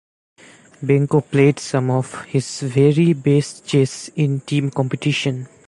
Benko played some of his very best chess in team competition.